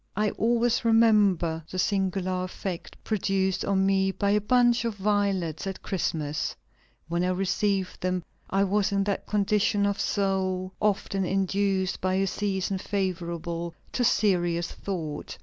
"I always remember the singular effect produced on me by a bunch of violets at Christmas; when I received them I was in that condition of soul often induced by a season favorable to serious thought.